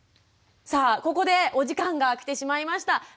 さあここでお時間が来てしまいました。